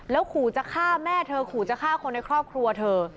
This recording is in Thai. ขู่จะฆ่าแม่เธอขู่จะฆ่าคนในครอบครัวเธอ